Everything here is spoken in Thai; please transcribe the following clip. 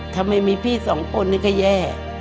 ทำไมมีพี่สองคนนี่ก็แย่